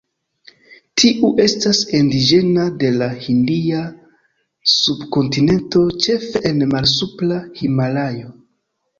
Tiu estas indiĝena de la Hindia subkontinento, ĉefe en Malsupra Himalajo.